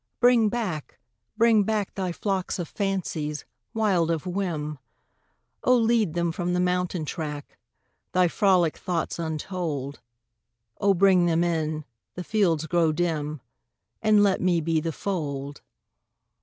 Bring back, bring back Thy flocks of fancies, wild of whim. Oh lead them from the mountain track Thy frolic thoughts untold. Oh bring them in the fields grow dim And let me be the fold.